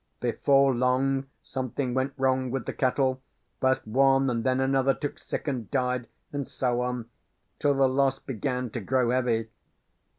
"Before long something went wrong with the cattle; first one, and then another, took sick and died, and so on, till the loss began to grow heavy.